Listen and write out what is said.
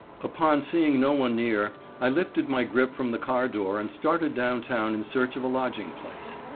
_ Upon seeing no one near, I lifted my grip from the car door and started down town in search of a lodging place.